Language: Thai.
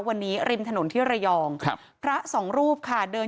วันนี้ริมถนนที่ระยองครับพระสองรูปค่ะเดิน